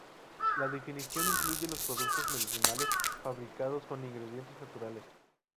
La definición incluye los productos medicinales fabricados con ingredientes naturales.